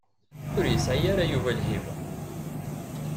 Ur yesɛi ara Yuba lhiba.